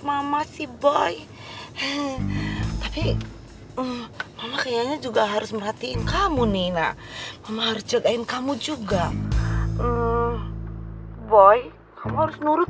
mama sih boy tapi kayaknya juga harus merhatiin kamu nina marjain kamu juga boy kamu harus nurut